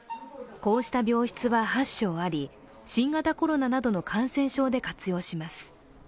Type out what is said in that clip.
こうした病室は８床あり、新型コロナなどの感染症で活用します。